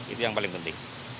itu yang paling penting